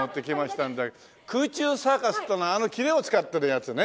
空中サーカスっていうのはあの切れを使ってるやつね。